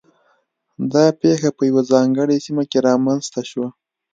دا پېښه په یوه ځانګړې سیمه کې رامنځته شوه.